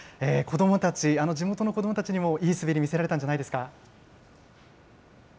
子どもたち、地元の子どもたちにもいい滑り見せられたんじゃないですか？